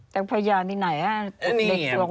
แต่พยานที่ไหนอ่ะเด็กสั่วคนเดียว